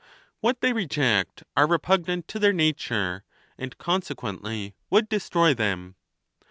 What they reject are repugnant to their nature, and con sequently would destroy them.